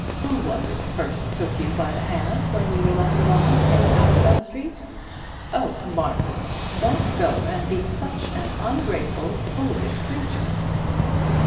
Who was it first took you by the hand when you were left all alone in Arundel Street? Oh, Margaret, don't go and be such an ungrateful, foolish creature!"